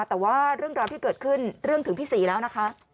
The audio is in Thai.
แต่ว่าเรื่องราวที่เกิดขึ้นเรื่องถึงพี่ศรีแล้วนะคะ